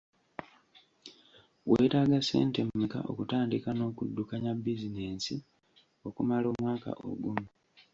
Weetaaga ssente mmeka okutandika n’okuddukanya bizinensi okumala omwaka ogumu?